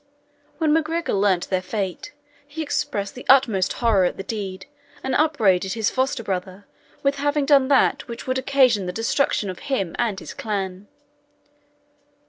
When MacGregor learnt their fate, he expressed the utmost horror at the deed, and upbraided his foster brother with having done that which would occasion the destruction of him and his clan.